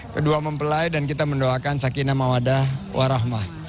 kedua mempelai dan kita mendoakan sakinah mawadah warahmah